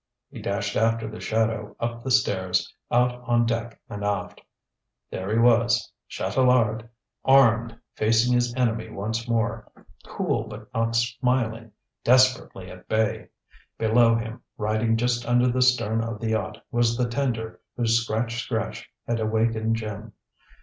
He dashed after the shadow, up the stairs, out on deck, and aft. There he was Chatelard, armed, facing his enemy once more, cool but not smiling, desperately at bay. Below him, riding just under the stern of the yacht, was the tender whose scratch scratch had awakened Jim.